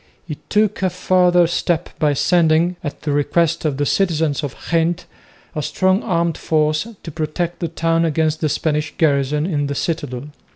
He took a further step by sending, at the request of the citizens of Ghent, a strong armed force to protect the town against the Spanish garrison in the citadel.